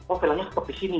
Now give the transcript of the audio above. oh filmnya seperti sini